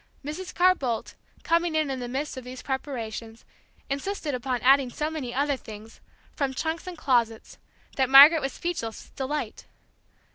Mrs. Carr Boldt, coming in in the midst of these preparations, insisted upon adding so many other things, from trunks and closets, that Margaret was speechless with delight.